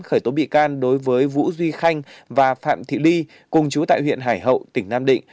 khởi tố bị can đối với vũ duy khanh và phạm thị ly cùng chú tại huyện hải hậu tỉnh nam định